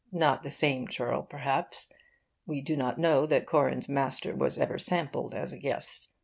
Not the same churl, perhaps. We do not know that Corin's master was ever sampled as a guest.